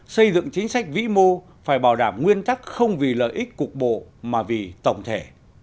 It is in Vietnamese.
xây dựng chính sách vĩ mô phải bảo đảm nguyên tắc không vì lợi ích cục bộ mà vì tổng thể